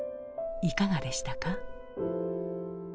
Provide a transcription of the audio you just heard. いかがでしたか？